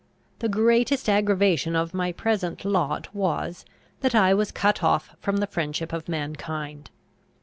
The greatest aggravation of my present lot was, that I was cut off from the friendship of mankind.